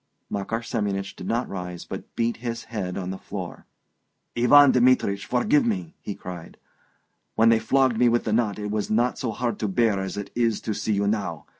Makar Semyonich did not rise, but beat his head on the floor. "Ivan Dmitrich, forgive me!" he cried. "When they flogged me with the knot it was not so hard to bear as it is to see you now